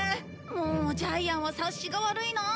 もうジャイアンは察しが悪いなあ。